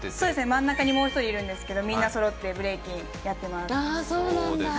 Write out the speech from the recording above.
真ん中にもう一人いるんですけどみんなそろってブレイキンやってます